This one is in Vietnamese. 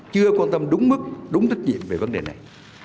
chưa quan tâm đúng mức đúng trách nhiệm về vấn đề này